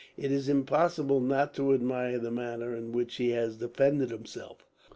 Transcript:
It is impossible not to admire the manner in which he has defended himself.